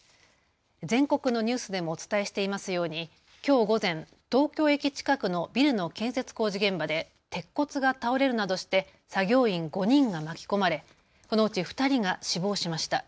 全国のニュースでもお伝えしていますようにきょう午前、東京駅近くのビルの建設工事現場で鉄骨が倒れるなどして作業員５人が巻き込まれ、このうち２人が死亡しました。